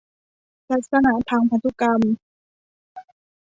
ลักษณะทางพันธุกรรม